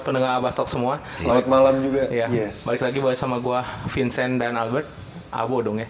pendengar batok semua selamat malam juga ya lagi bersama gua vincent dan albert abo dong ya